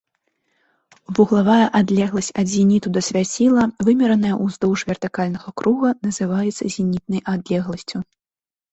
Вуглавая адлегласць ад зеніту да свяціла, вымераная ўздоўж вертыкальнага круга, называецца зенітнай адлегласцю.